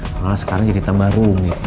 malah sekarang jadi tambah rumit